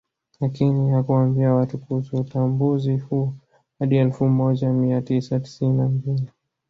Lakini hakuwaambia watu kuhusu utambuzi huu hadi elfu moja mia tisa tisini na mbili